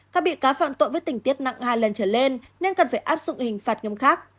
các bị cáo phạm tội với tình tiết nặng hai lần trở lên nên cần phải áp dụng hình phạt nghiêm khắc